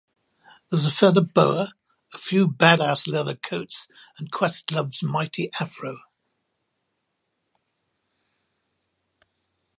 There's a feather boa, a few badass leather coats, and Questlove's mighty Afro.